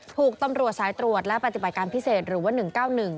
ถูกตำรวจสายตรวจและปฏิบัติการพิเศษหรือว่า๑๙๑